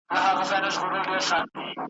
موږ اولاد د مبارک یو موږ سیدان یو `